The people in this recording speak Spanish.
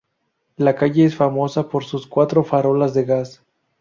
La calle es famosa por sus cuatro farolas de gas.